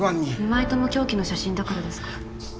２枚とも凶器の写真だからですか？